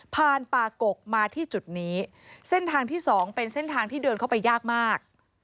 ป่ากกมาที่จุดนี้เส้นทางที่สองเป็นเส้นทางที่เดินเข้าไปยากมาก